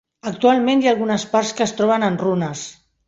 Actualment hi ha algunes parts que es troben en runes.